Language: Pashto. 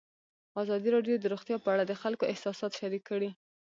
ازادي راډیو د روغتیا په اړه د خلکو احساسات شریک کړي.